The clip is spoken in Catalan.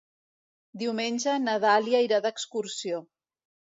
Diumenge na Dàlia irà d'excursió.